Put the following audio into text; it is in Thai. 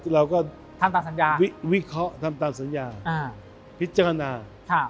เราก็ทำตามสัญญาวิเคราะห์ทำตามสัญญาพิจารณา